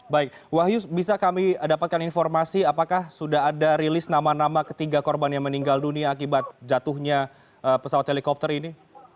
baik wahyu bisa kami dapatkan informasi apakah sudah ada rilis nama nama ketiga korban yang meninggal dunia akibat jatuhnya pesawat helikopter ini